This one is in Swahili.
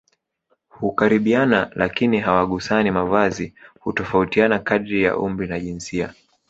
hukaribiana lakini hawagusani Mavazi hutofautiana kadiri ya umri na jinsia